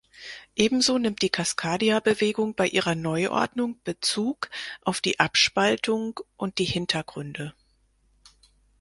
Ebenso nimmt die Cascadia-Bewegung bei ihrer Neuordnung Bezug auf die Abspaltung und die Hintergründe.